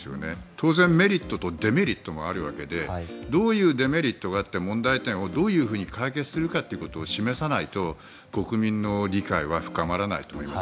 当然、メリットとデメリットもあるわけでどういうデメリットがあって問題点をどういうふうに解決するかということを示さないと、国民の理解は深まらないと思います。